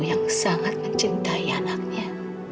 yang sangat mencintai anaknya